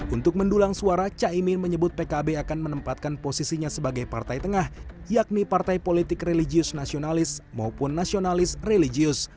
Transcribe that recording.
untuk mendulang suara caimin menyebut pkb akan menempatkan posisinya sebagai partai tengah yakni partai politik religius nasionalis maupun nasionalis religius